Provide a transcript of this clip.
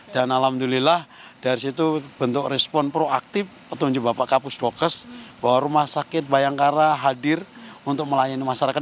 dan alhamdulillah dari situ bentuk respon proaktif ketunjuk bapak kapus dokes bahwa rumah sakit bayangkara hadir untuk melayani masyarakat